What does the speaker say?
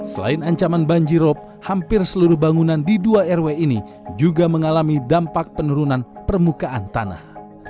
selain ancaman banjirop hampir seluruh bangunan di dua rw ini juga mengalami dampak penurunan permukaan tanah